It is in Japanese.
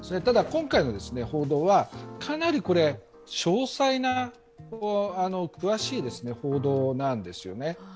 ただ、今回の報道はかなり詳細な報道なんですよね。